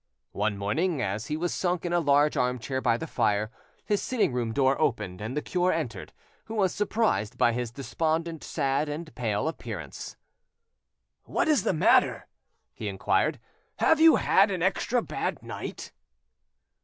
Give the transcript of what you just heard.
One morning, as he was sunk in a large armchair by the fire, his sitting room door opened, and the cure entered, who was surprised by his despondent, sad, and pale appearance. "What is the matter?" he inquired, "Have you had an extra bad night?"